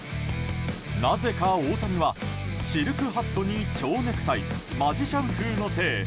なぜか大谷はシルクハットに蝶ネクタイマジシャン風の体。